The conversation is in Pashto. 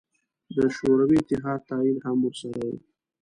د شوروي اتحاد تایید هم ورسره و.